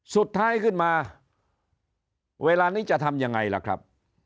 สุดท้ายขึ้นมาเวลานี้จะทำยังไงล่ะครับ